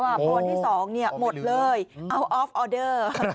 วันที่๒หมดเลยเอาออฟออเดอร์